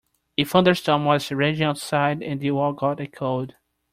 A thunderstorm was raging outside and they all got a cold.